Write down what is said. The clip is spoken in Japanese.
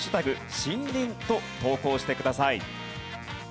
森林と投稿してください。